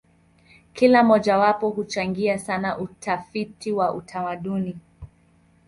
Kila mojawapo huchangia sana utafiti wa utamaduni.